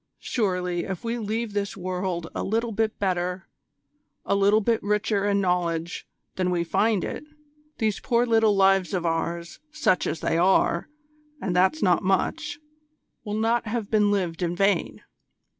Surely if we leave this world a little bit better, a little bit richer in knowledge, than we find it, these poor little lives of ours, such as they are, and that's not much will not have been lived in vain.